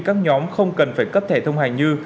các nhóm không cần phải cấp thẻ thông hành như